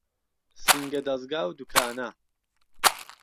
سینگه دهزگا و دوکانه